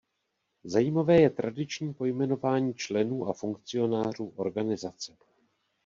Zajímavé je tradiční pojmenování členů a funkcionářů organizace.